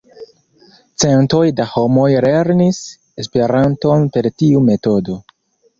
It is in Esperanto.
Centoj da homoj lernis Esperanton per tiu metodo.